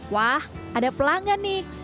wah ada pelanggan nih